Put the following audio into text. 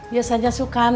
biasanya suka neng